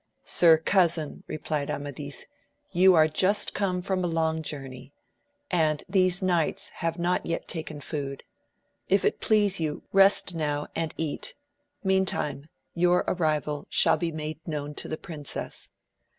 Sir cousin, replied Amadis, you are just come from a long journey, and these knights have not yet taken food. If it please you rest now and eat, meantime your ar rival shall be made known to the princess.